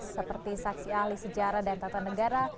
seperti saksi ahli sejarah dan tata negara